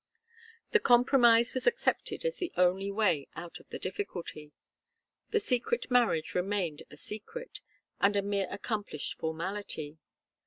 The compromise was accepted as the only way out of the difficulty. The secret marriage remained a secret, and a mere accomplished formality.